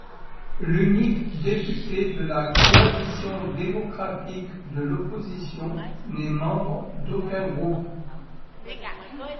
L'unique député de la Coalition démocratique de l'opposition n'est membre d'aucun groupe.